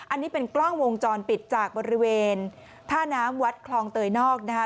อันนี้เป็นกล้องวงจรปิดจากบริเวณท่าน้ำวัดคลองเตยนอกนะคะ